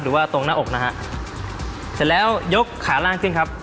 ตรงหน้าอกนะฮะเสร็จแล้วยกขาล่างขึ้นครับ